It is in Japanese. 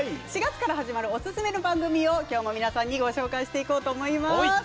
４月から始まるオススメの番組を皆さんにご紹介していこうと思います。